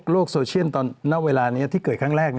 โซเชียลตอนณเวลานี้ที่เกิดครั้งแรก